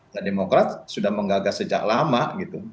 nah demokrat sudah menggagas sejak lama gitu